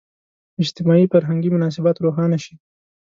اجتماعي – فرهنګي مناسبات روښانه شي.